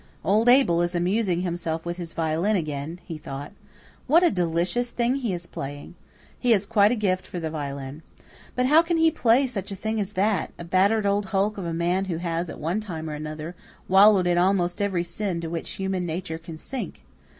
"Old Abel is amusing himself with his violin again," he thought. "What a delicious thing he is playing! He has quite a gift for the violin. But how can he play such a thing as that, a battered old hulk of a man who has, at one time or another, wallowed in almost every sin to which human nature can sink?